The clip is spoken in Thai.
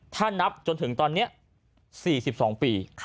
ถ้านับจนถึงตอนนี้๔๒ปี